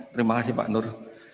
terima kasih pak nur